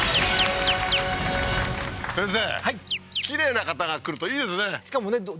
きれいな方が来るといいですね